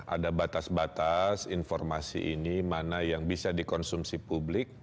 ada batas batas informasi ini mana yang bisa dikonsumsi publik